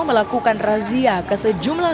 melakukan razia ke sejumlah